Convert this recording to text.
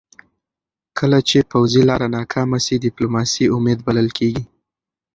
کله چې پوځي لاره ناکامه سي، ډيپلوماسي امید بلل کېږي .